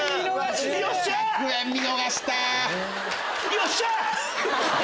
よっしゃ！